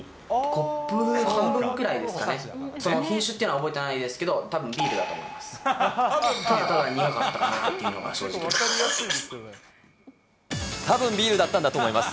コップ半分ぐらいですかね、その品種っていうのは覚えてないですけど、たぶんビールだと思います。